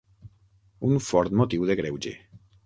Un fort motiu de greuge.